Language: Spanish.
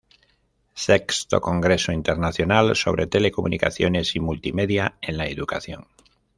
Sexto Congreso Internacional sobre Telecomunicaciones y Multimedia en la Educación.